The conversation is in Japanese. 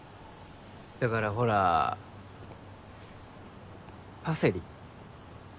だからほらパセリ？